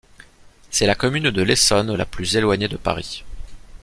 C'est la commune de l'Essonne la plus éloignée de Paris.